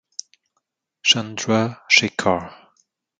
Chandra Shekhar.